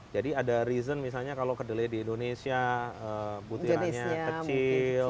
jadi ada reason misalnya kalau kedele di indonesia butirannya kecil